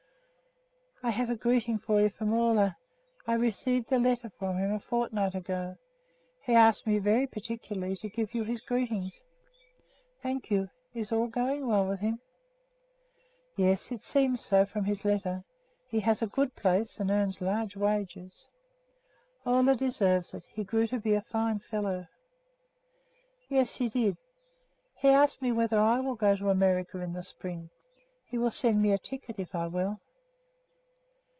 "I have a greeting to you from Ole. I received a letter from him a fortnight ago. He asked me very particularly to give you his greetings." "Thank you. Is all going well with him?" "Yes, it seems so from his letter. He has a good place and earns large wages." "Ole deserves it. He grew to be a fine fellow." "Yes, he did. He asks me whether I will go to America in the spring. He will send me a ticket, if I will."